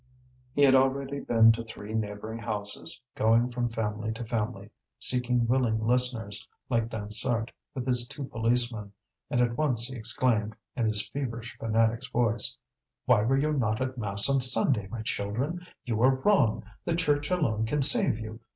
He had already been to three neighbouring houses, going from family to family, seeking willing listeners, like Dansaert with his two policemen; and at once he exclaimed, in his feverish fanatic's voice: "Why were you not at mass on Sunday, my children? You are wrong, the Church alone can save you.